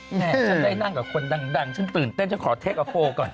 ฉันได้นั่งกับคนดังฉันตื่นเต้นฉันขอเทคโอโฟลก่อน